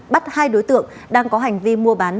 bắt hai đối tượng đang có hành vi mua bán